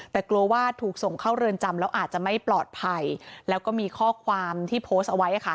แต่กลัวว่าถูกส่งเข้าเรือนจำแล้วอาจจะไม่ปลอดภัยแล้วก็มีข้อความที่โพสต์เอาไว้